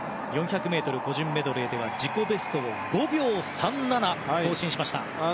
４００ｍ個人メドレーでは自己ベストを５秒３７更新しました。